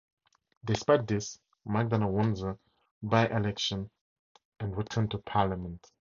Despite this MacDonald won the by-election and returned to Parliament.